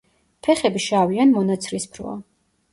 ფეხები შავი ან მონაცრისფროა.